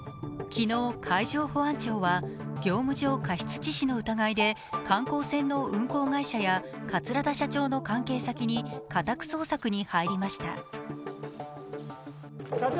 昨日、海上保安庁は業務上過失致死の疑いで観光船の運航会社や桂田社長の関係先に家宅捜索に入りました。